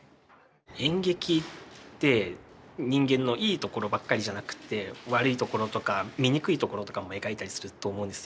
演劇って人間のいいところばっかりじゃなくって悪いところとか醜いところとかも描いたりすると思うんですよ。